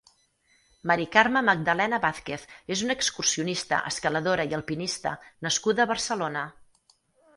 Mari Carme Magdalena Vàzquez és una excursionista, escaladora i alpinista nascuda a Barcelona.